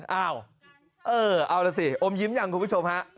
เอาเออเอาล่ะสิอมยิ้มยังคุณผู้ชมฮะ